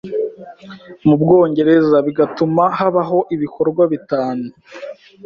mu Bwongereza, bigatuma habaho ibikorwa bitanu